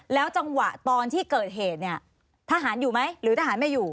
แล้วจังหวะตอนที่เกิดเหตุเนี่ยทหารอยู่ไหมหรือทหารไม่อยู่